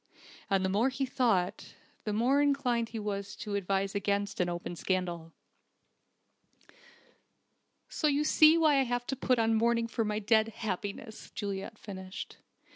And the more he thought, the more inclined he was to advise against an open scandal. "So you see why I wanted to put on mourning for my dead happiness," Juliet finished.